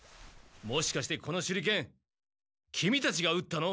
もしかしてこの手裏剣キミたちが打ったの？